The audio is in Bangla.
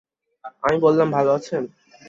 আমি বললাম, ভাল আছেন?